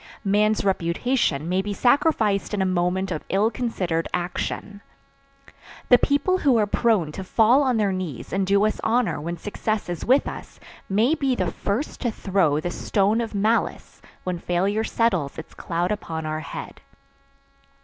Man's reputation may be sacrificed in a moment of ill considered action. The people who are prone to fall on their knees and do us honor when success is with us may be the first to throw the stone of malice when failure settles its cloud upon our head.